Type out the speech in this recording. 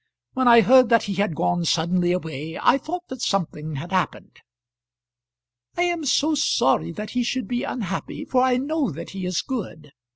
When I heard that he had gone suddenly away I thought that something had happened." "I am so sorry that he should be unhappy, for I know that he is good."